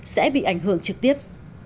sẽ bị ảnh hưởng trực tiếp